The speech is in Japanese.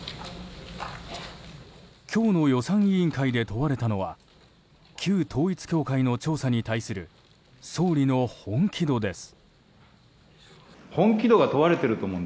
今日の予算委員会で問われたのは旧統一教会の調査に対する総理の本気度です。